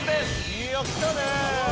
いやきたね。